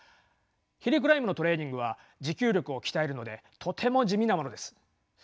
ヒルクライムのトレーニングは持久力を鍛えるのでとても地味なものです。